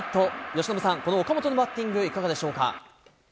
由伸さん、この岡本のバッティング、いかがでしょうか。